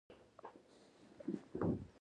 د تواب غوږ وتخڼېد.